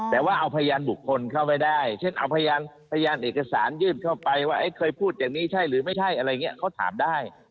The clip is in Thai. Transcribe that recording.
แต่ว่าเอาพยานบุคคลเข้าไปได้เช่นเอาพยานเอกสารยื่นเข้าไปว่าเคยพูดอย่างนี้ใช่หรือไม่ใช่อะไรอย่างนี้เขาถามได้